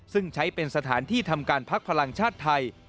ซึ่งใช้เป็นสถานที่ทำการพักพลังชาติไทย